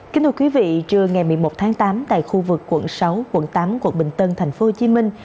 kính thưa quý vị trưa ngày một mươi một tháng tám tại khu vực quận sáu quận tám quận bình tân thành phố hồ chí minh